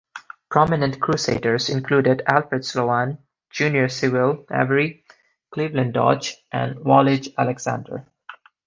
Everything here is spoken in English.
Prominent Crusaders included Alfred Sloan, Junior Sewell Avery, Cleveland Dodge, and Wallage Alexander.